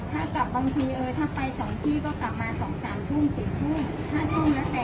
ถ้ากลับบางทีเออถ้าไปสองที่ก็กลับมาสองสามทุ่มสี่ทุ่มห้าทุ่มแล้วแต่